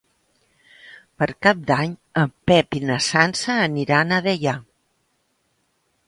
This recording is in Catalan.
Per Cap d'Any en Pep i na Sança aniran a Deià.